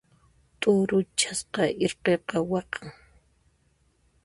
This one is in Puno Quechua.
T'uruchasqa irqiqa waqan.